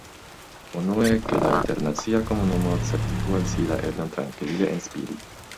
Unue, ke la internacia komunumo certigu al si la eblon trankvile “enspiri.